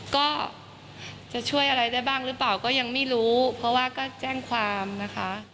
ก็จะช่วยอะไรได้บ้างหรือเปล่าก็ยังไม่รู้เพราะว่าก็แจ้งความนะคะ